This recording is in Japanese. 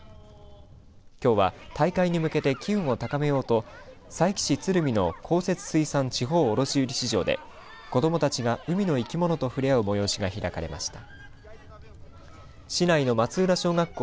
きょうは大会に向けて機運を高めようと佐伯市鶴見の公設水産地方卸売鶴見市場で子どもたちが海の生き物と触れ合う催しが開かれました。